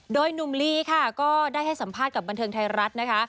โดยหนุ่มลีค่ะก็ได้ให้สัมภาษณ์กับบันเทิงไทยรัฐนะคะ